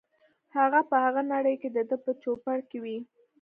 هغه په هغه نړۍ کې دده په چوپړ کې وي.